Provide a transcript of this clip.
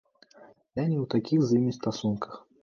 Я не ў такіх з імі стасунках.